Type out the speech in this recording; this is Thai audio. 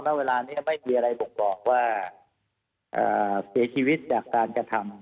เวลานี้ไม่มีอะไรบ่งบอกว่าเสียชีวิตจากการกระทำ